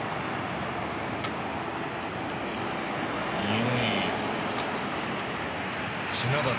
におい？